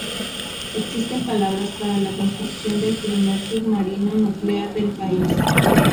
Existen planes para la construcción del primer submarino nuclear del país.